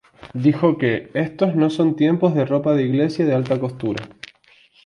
Dijo que "Estos no son tiempos de ropa de iglesia de alta costura".